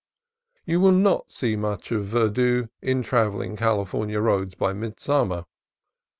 You will not see much of verdure in travelling California roads by midsummer.